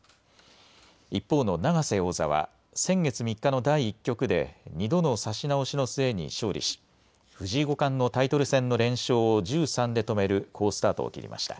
一方の永瀬王座は先月３日の第１局で２度の指し直しの末に勝利し藤井五冠のタイトル戦の連勝を１３で止める好スタートを切りました。